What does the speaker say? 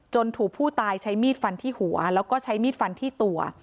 ถูกผู้ตายใช้มีดฟันที่หัวแล้วก็ใช้มีดฟันที่ตัว